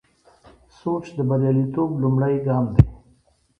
سوچ د بریالیتوب لومړی ګام دی.